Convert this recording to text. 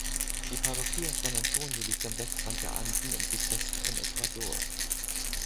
Die Parroquia San Antonio liegt am Westrand der Anden im Südwesten von Ecuador.